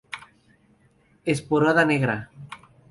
Esporada negra.